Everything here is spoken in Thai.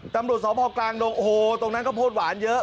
ตำรวจสพกลางดงโอ้โหตรงนั้นข้าวโพดหวานเยอะ